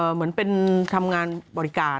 เหมือนเป็นทำงานบริการ